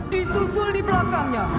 disusul di belakangnya